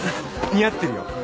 似合ってるよ。